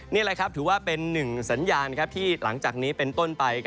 นี่แหละครับถือว่าเป็นหนึ่งสัญญาณที่หลังจากนี้เป็นต้นไป